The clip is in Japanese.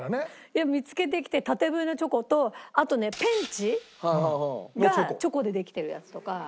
見付けてきて縦笛のチョコとあとねペンチがチョコでできてるやつとか。